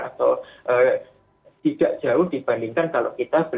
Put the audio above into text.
atau tidak jauh dibandingkan kalau kita